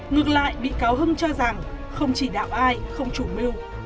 ngược lại bị cáo hưng cho rằng không chỉ đạo ai không chủ mưu